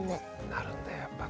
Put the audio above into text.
なるんだよやっぱね。